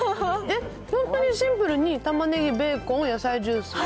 本当にシンプルに、たまねぎ、ベーコン、野菜ジュース。